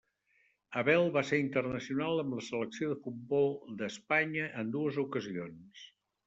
Abel va ser internacional amb la selecció de futbol d'Espanya en dues ocasions.